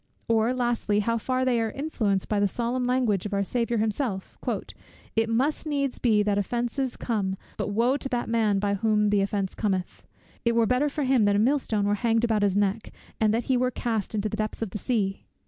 or lastly, how far they are influenced by the solemn language of our Saviour himself; "It must needs be that offences come, but woe to that man by whom the offence cometh; it were better for him that a mill stone were hanged about his neck, and that he were cast into the depths of the sea?"